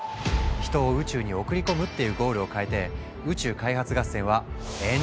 「人を宇宙に送り込む」っていうゴールをかえて宇宙開発合戦は延長戦に突入。